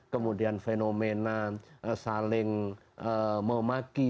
kemudian fenomena saling memaki